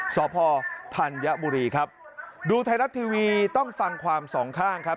สพธัญบุรีครับดูไทยรัฐทีวีต้องฟังความสองข้างครับ